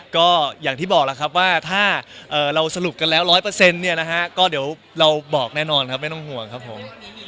ก็อย่างที่บอกแล้วครับว่าถ้าเราสรุปกันแล้ว๑๐๐เนี่ยนะฮะก็เดี๋ยวเราบอกแน่นอนครับไม่ต้องห่วงครับผม